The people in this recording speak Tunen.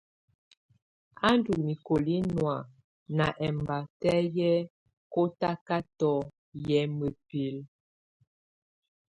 Á ndù mikoli nɔ̀á na ɛmbatɛ yɛ kɔtakatɔ yɛ mǝpilǝ.